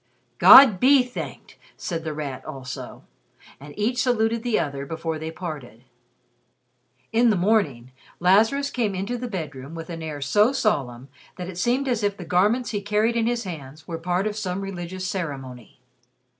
"God be thanked!" said The Rat, also. And each saluted the other before they parted. In the morning, Lazarus came into the bedroom with an air so solemn that it seemed as if the garments he carried in his hands were part of some religious ceremony.